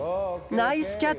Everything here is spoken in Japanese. ナイスキャッチ！